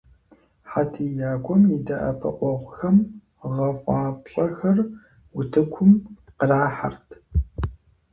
ХьэтиякӀуэм и дэӀэпыкъуэгъухэм гъэфӀапщӀэхэр утыкум кърахьэрт.